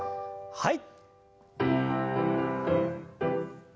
はい。